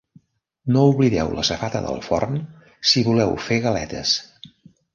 No oblideu la safata del forn si voleu fer galetes